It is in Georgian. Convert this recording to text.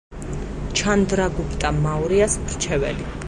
ჩანდრაგუპტა მაურიას მრჩეველი.